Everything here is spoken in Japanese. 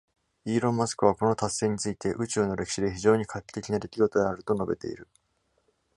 イーロン・マスクはこの達成について、宇宙の歴史で非常に画期的な出来事であると述べている。